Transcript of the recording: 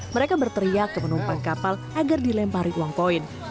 mereka berteriak ke penumpang kapal agar dilempari uang koin